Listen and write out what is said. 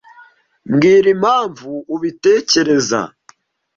mbwira impamvu ubitekereza.